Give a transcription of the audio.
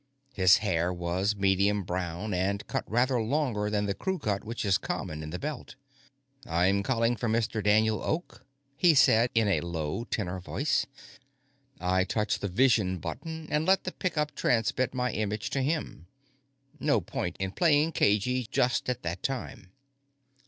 His hair was medium brown and cut rather longer than the crew cut which is common in the Belt. "I'm calling for Mr. Daniel Oak," he said in a low tenor voice. I touched the "vision" button and let the pick up transmit my image to him. No point in playing cagy just at that time.